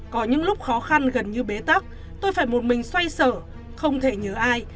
có những lúc khó khăn gần như bế tắc tôi phải một mình xoay sở không thể nhớ ai